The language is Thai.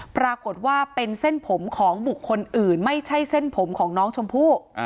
ปรากฏว่าเป็นเส้นผมของบุคคลอื่นไม่ใช่เส้นผมของน้องชมพู่